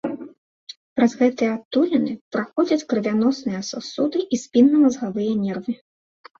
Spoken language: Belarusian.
Праз гэтыя адтуліны праходзяць крывяносныя сасуды і спіннамазгавыя нервы.